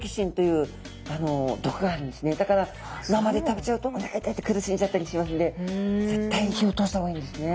だから生で食べちゃうとおなか痛いって苦しんじゃったりしますんで絶対に火を通した方がいいんですね。